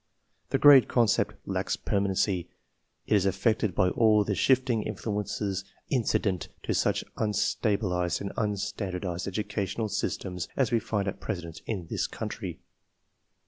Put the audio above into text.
The grade concept lacks permanency; it is affected by all the shift ing influences incident to such unstabilized and unstand ardized educational systems as we find at present in this country.